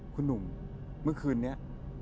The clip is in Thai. คุณหนุ่มเมื่อคืนนี้